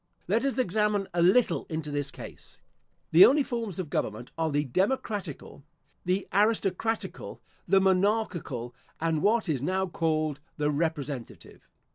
Let us examine a little into this case. The only forms of government are the democratical, the aristocratical, the monarchical, and what is now called the representative.